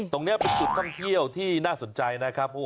ตรงนี้เป็นจุดท่องเที่ยวที่น่าสนใจนะครับ